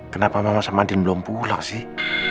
kenapa mama sama tim belum pulang sih